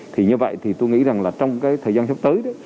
thì như vậy thì tôi nghĩ rằng là trong cái thời gian sắp tới đấy